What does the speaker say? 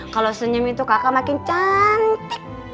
kalau senyum itu kakak makin cantik